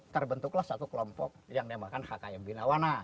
terbentuklah satu kelompok yang dinamakan hkm binawana